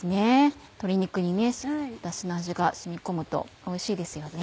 鶏肉にダシの味が染み込むとおいしいですよね。